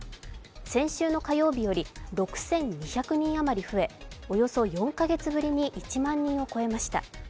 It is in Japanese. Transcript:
先週の火曜日より６２００人余り増え、およそ４カ月ぶりに１万人を超えました。